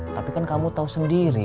tapi kamu tau sendiri